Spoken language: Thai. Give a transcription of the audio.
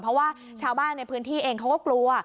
เพราะว่าชาวบ้านในพื้นที่เองเขาก็กลัว